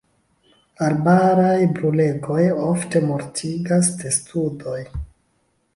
Arbaraj brulegoj ofte mortigas testudojn.